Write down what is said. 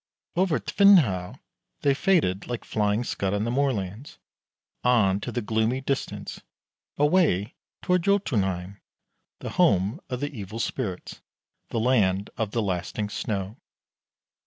Over Tvindehoug they faded like flying scud on the moorlands, on to the gloomy distance, away toward Jotunheim, the home of the Evil Spirits, the Land of the Lasting Snow.